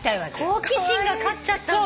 好奇心が勝っちゃったんだ？